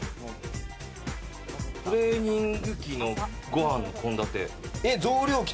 トレーニング期のご飯、献立。